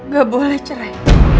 gak boleh cerai